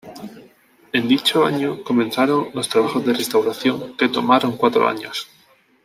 En dicho año comenzaron los trabajos de restauración, que tomaron cuatro años.